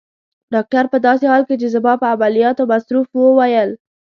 ډاکټر په داسې حال کې چي زما په عملیاتو مصروف وو وویل.